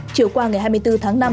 chiều qua ngày hai mươi bốn tháng năm